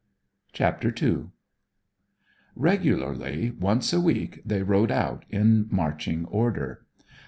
CHAPTER II Regularly once a week they rode out in marching order.